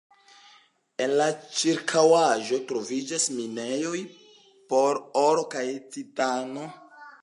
En la ĉirkaŭaĵo troviĝas minejoj por oro kaj titano.